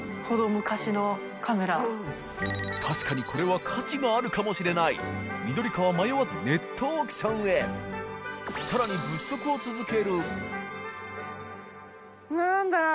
これは価値があるかもしれない穃仞迷わずネットオークションへ博子さん）